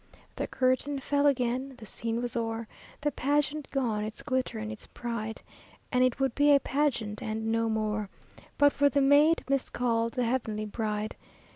The curtain fell again, the scene was o'er, The pageant gone its glitter and its pride, And it would be a pageant and no more, But for the maid miscalled the Heavenly Bride.